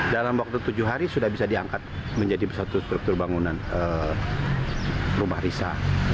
dalam waktu tujuh hari sudah bisa diangkat menjadi satu struktur bangunan rumah risa